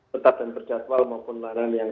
tetap dan berjadwal maupun larang yang